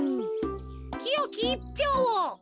きよきいっぴょうを。